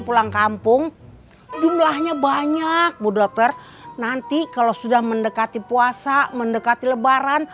pulang kampung jumlahnya banyak bu dokter nanti kalau sudah mendekati puasa mendekati lebaran